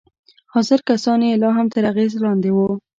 حاضر کسان يې لا هم تر اغېز لاندې وو.